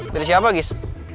dari siapa gis